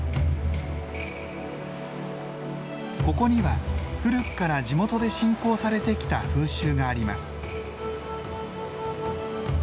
ここには古くから地元で信仰されてきた風習があります。